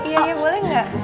iya boleh gak